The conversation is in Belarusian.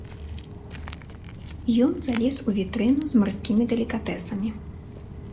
Ён залез у вітрыну з марскімі далікатэсамі.